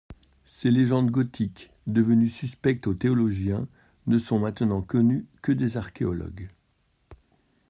Ces légendes gothiques, devenues suspectes aux théologiens, ne sont maintenant connues que des archéologues.